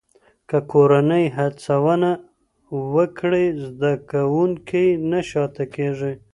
که کورنۍ هڅونه وکړي، زده کوونکی نه شاته کېږي.